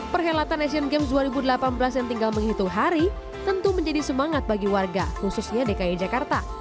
perhelatan asian games dua ribu delapan belas yang tinggal menghitung hari tentu menjadi semangat bagi warga khususnya dki jakarta